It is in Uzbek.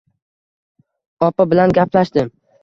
Opa bilan gaplashdim